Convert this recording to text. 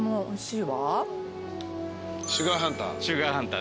おいしい。